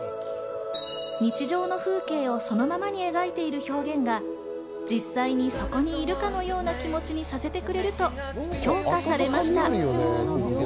日常の風景をそのままに描いている表現が実際にそこにいるかのような気持ちにさせてくれると評価されました。